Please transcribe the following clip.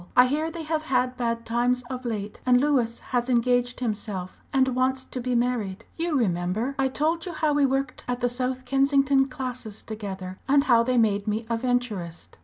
I hear they have had bad times of late, and Louis has engaged himself, and wants to be married. You remember I told you how we worked at the South Kensington classes together, and how they made me a Venturist?